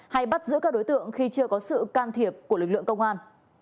hay bắt giữ các đối tượng khi chưa có sự can thiệp của lực lượng công an